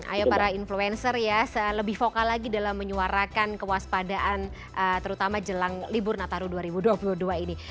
ayo para influencer ya lebih vokal lagi dalam menyuarakan kewaspadaan terutama jelang libur nataru dua ribu dua puluh dua ini